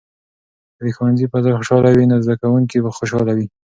که د ښوونځي فضا خوشحاله وي، نو زده کوونکي به خوشاله وي.